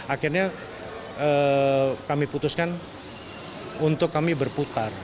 akhirnya kami putuskan untuk kami berputar